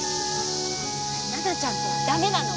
奈々ちゃんとは駄目なの。